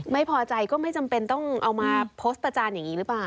ไม่พอใจก็ไม่จำเป็นต้องเอามาโพสต์ประจานอย่างนี้หรือเปล่า